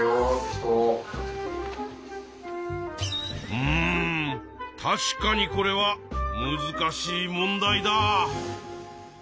うん確かにこれはむずかしい問題だ。